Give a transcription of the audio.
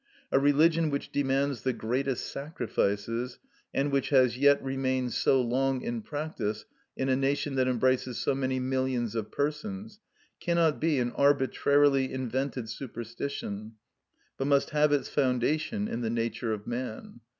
A religion which demands the greatest sacrifices, and which has yet remained so long in practice in a nation that embraces so many millions of persons, cannot be an arbitrarily invented superstition, but must have its foundation in the nature of man.